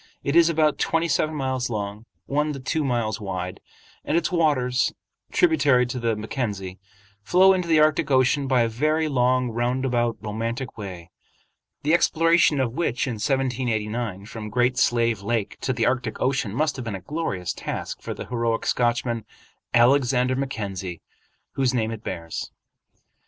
It is about twenty seven miles long, one to two miles wide, and its waters, tributary to the Mackenzie, flow into the Arctic Ocean by a very long, roundabout, romantic way, the exploration of which in 1789 from Great Slave Lake to the Arctic Ocean must have been a glorious task for the heroic Scotchman, Alexander Mackenzie, whose name it bears.